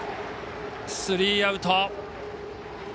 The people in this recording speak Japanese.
スリーアウト。